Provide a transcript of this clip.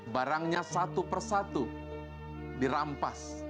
barangnya satu persatu dirampas